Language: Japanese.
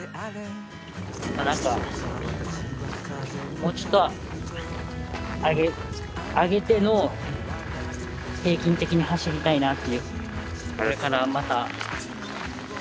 もうちょっと上げての平均的に走りたいなっていう。